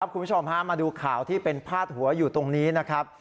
คุณผู้ชมมาดูข่าวที่เป็นพาดหัวอยู่ตรงนี้นะครับ